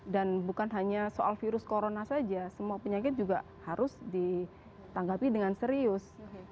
dan bukan hanya soal virus corona saja semua penyakit juga harus ditanggapi dengan serius